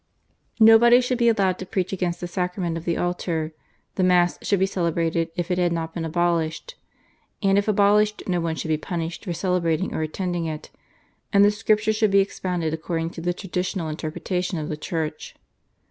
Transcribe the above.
Nobody should be allowed to preach against the Sacrament of the Altar; the Mass should be celebrated if it had not been abolished, and if abolished no one should be punished for celebrating or attending it, and the Scripture should be expounded according to the traditional interpretation of the Church.